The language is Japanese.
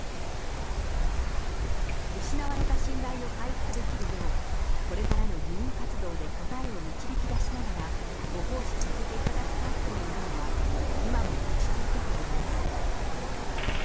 失われた信頼を回復できるよう、これからの議員活動で答えを導き出しながら、ご奉仕させていただきたいとの思いは、今も持ち続けております。